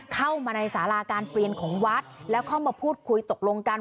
เข้ามาในสาราการเปลี่ยนของวัดแล้วเข้ามาพูดคุยตกลงกัน